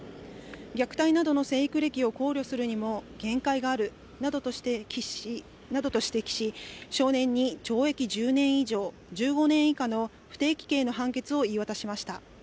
虐待などの生育歴を考慮するにも限界があるなどと指摘し、少年に懲役１０年以上１５年以下の不定期刑の判決を言い渡しました。